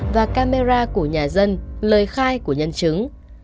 và camera của nhà dân lời khai của nhân chứng